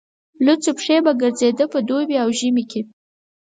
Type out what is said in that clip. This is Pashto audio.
لوڅې پښې به ګرځېد په دوبي او ژمي کې.